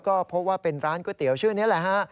ก็พบว่าเป็นร้านก๋วยเตี๋ยวชื่อนี้แหละฮะ